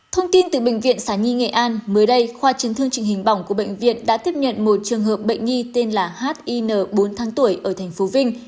thông tin từ bệnh viện sá nhi nghệ an mới đây khoa chiến thương trình hình bỏng của bệnh viện đã tiếp nhận một trường hợp bệnh nhi tên là hin bốn tháng tuổi ở thành phố vinh